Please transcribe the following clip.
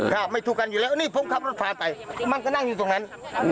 ถ้าไม่ถูกกันอยู่แล้วนี่ผมขับรถผ่านไปมันก็นั่งอยู่ตรงนั้น